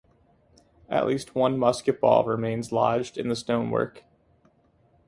At least one musket ball remains lodged in the stonework.